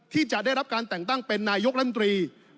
ที่จะได้รับการแต่งตั้งเป็นนายกรัฐมนตรี